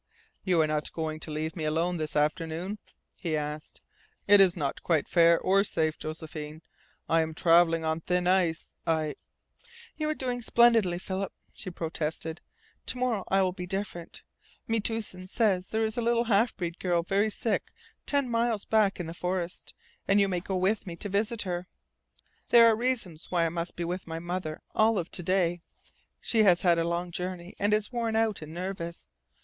"You are not going to leave me alone this afternoon?" he asked. "It is not quite fair, or safe, Josephine. I am travelling on thin ice. I " "You are doing splendidly, Philip," she protested. "To morrow I will be different. Metoosin says there is a little half breed girl very sick ten miles back in the forest, and you may go with me to visit her. There are reasons why I must be with my mother all of to day. She has had a long journey and is worn out and nervous.